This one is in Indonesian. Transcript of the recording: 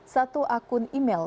satu akun email